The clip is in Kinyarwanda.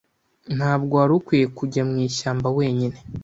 Ntabwo wari ukwiye kujya mwishyamba wenyine.